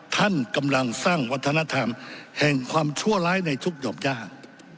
ท่านกำลังสร้างวัฒนธรรมแห่งความชั่วร้ายในทุกดอกย่า